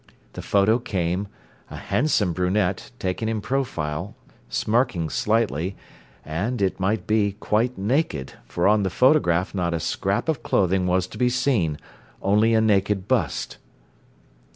The photo came—a handsome brunette, taken in profile, smirking slightly—and, it might be, quite naked, for on the photograph not a scrap of clothing was to be seen, only a naked bust.